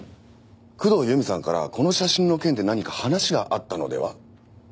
工藤由美さんからこの写真の件で何か話があったのでは？